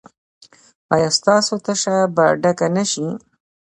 ایا ستاسو تشه به ډکه نه شي؟